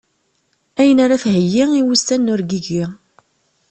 Ayen ara theggi i wussan n urgigi.